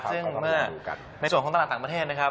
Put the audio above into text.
ซึ่งเมื่อในส่วนของตลาดต่างประเทศนะครับ